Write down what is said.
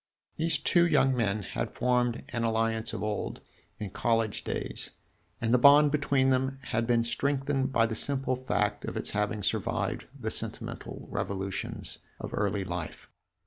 These two young men had formed an alliance of old, in college days, and the bond between them had been strengthened by the simple fact of its having survived the sentimental revolutions of early life.